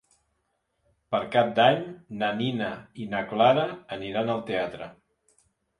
Per Cap d'Any na Nina i na Clara aniran al teatre.